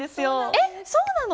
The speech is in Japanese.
えっそうなの！？